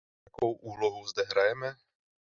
Jakou úlohu zde hrajeme?